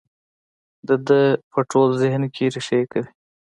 د ده په ټول ذهن کې رېښې کوي.